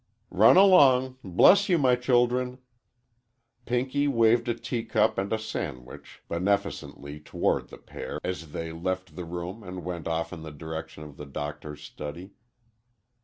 "Run along,—bless you, my children!" Pinky waved a teacup and a sandwich beneficently toward the pair, as they left the room and went off in the direction of the Doctor's study.